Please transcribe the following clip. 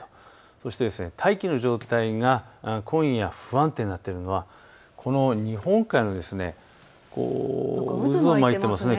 そして大気の状態が今夜、不安定になっているのは日本海、渦巻いてますね。